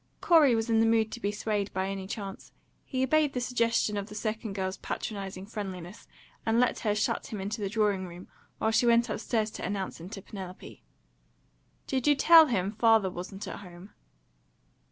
Corey was in the mood to be swayed by any chance. He obeyed the suggestion of the second girl's patronising friendliness, and let her shut him into the drawing room, while she went upstairs to announce him to Penelope. "Did you tell him father wasn't at home?"